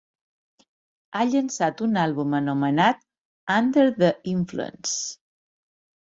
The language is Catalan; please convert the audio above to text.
Ha llançat un àlbum anomenat "Under the Influence".